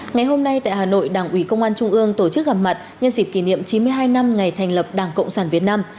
ngày hôm nay tại hà nội đảng ủy công an trung ương tổ chức gặp mặt nhân dịp kỷ niệm chín mươi hai năm ngày thành lập đảng cộng sản việt nam